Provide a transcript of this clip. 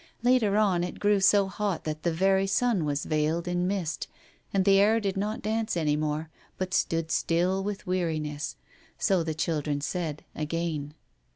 Later on it grew so hot that the very sun was veiled in mist, and the air did not dance any more, but stood still with weariness, so the children said, again.